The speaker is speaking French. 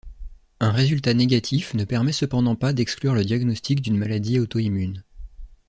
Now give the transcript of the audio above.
Un résultat négatif ne permet cependant pas d’exclure le diagnostic d’une maladie auto-immune.